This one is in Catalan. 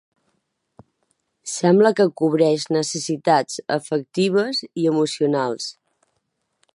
Sembla que cobreix necessitats afectives i emocionals.